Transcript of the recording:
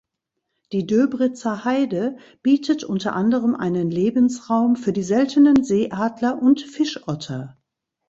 Die Döberitzer Heide bietet unter anderem einen Lebensraum für die seltenen Seeadler und Fischotter.